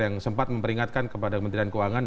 yang sempat memperingatkan kepada kementerian keuangan